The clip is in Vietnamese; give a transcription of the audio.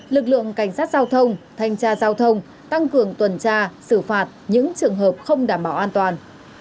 lực lượng cảnh sát giao thông thanh tra giao thông tăng cường tuần tra xử phạt những trường hợp không đảm bảo an toàn